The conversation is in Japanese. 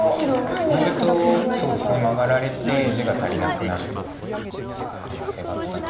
ツナぐとマガられて地が足りなくなる可能性があったので。